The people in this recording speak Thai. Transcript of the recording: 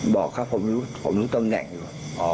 บอกครับผมรู้ตำแหน่งอยู่